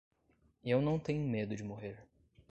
Eu não tenho medo de morrer.